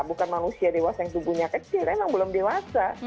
bukan manusia dewasa yang tubuhnya kecil emang belum dewasa